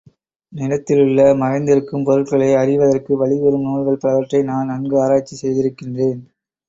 நிலத்தினுள்ளே மறைந்திருக்கும் பொருள்களை அறிவதற்கு வழிகூறும் நூல்கள் பலவற்றை நான் நன்கு ஆராய்ச்சி செய்திருக்கின்றேன்.